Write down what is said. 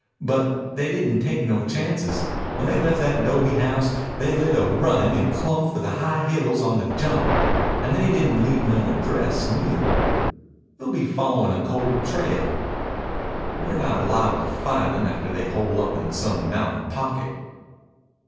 "But they didn't take no chances. When they left that 'dobe house they lit a runnin' and clumb for the high hills on the jump. And they didn't leave no address neither. We'll be followin' a cold trail. We're not liable to find them after they hole up in some mountain pocket."